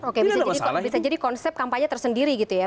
oke bisa jadi konsep kampanye tersendiri gitu ya